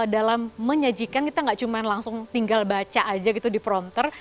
dalam menyajikan kita tidak hanya tinggal baca saja di prompter